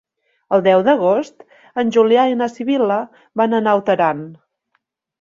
El deu d'agost en Julià i na Sibil·la van a Naut Aran.